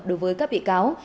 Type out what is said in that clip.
đối với các bị cáo